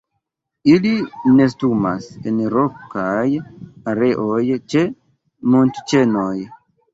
Ili nestumas en rokaj areoj ĉe montoĉenoj.